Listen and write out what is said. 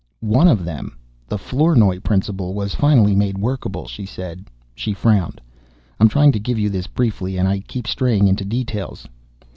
"One of them the Flournoy principle was finally made workable," she said. She frowned. "I'm trying to give you this briefly and I keep straying into details."